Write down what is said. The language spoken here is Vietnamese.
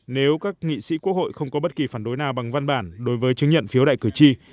nếu các nghị sĩ quốc hội không có bất kỳ phản đối nào bằng văn bản đối với chứng nhận phiếu đại cử tri